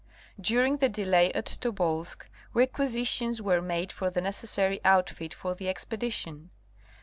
During the delay at Tobolsk requisitions were made for the necessary outfit for the expedition.